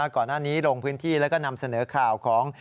ก่อนหน้านี้ลงพื้นที่แล้วก็นำเสนอข่าวของ